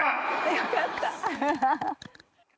よかった。